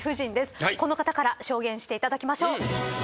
この方から証言していただきましょう。